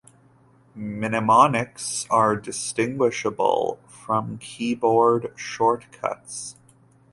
Mnemonics are distinguishable from keyboard shortcuts.